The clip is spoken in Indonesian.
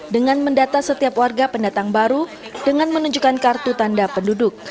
dengan mendata setiap warga pendatang baru dengan menunjukkan kartu tanda penduduk